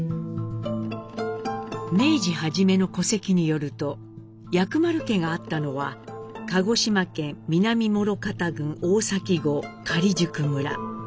明治初めの戸籍によると薬丸家があったのは鹿児島県南諸縣郡大崎郷假宿村。